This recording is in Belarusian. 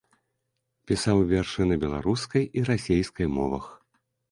Пісаў вершы на беларускай і расейскай мовах.